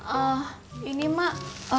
eh ini emak